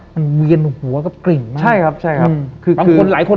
มันเวียนหัวกับกลิ่นมาก